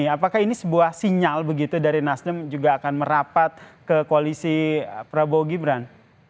apakah ini sebuah sinyal begitu dari nasdem juga akan merapat ke koalisi prabowo gibran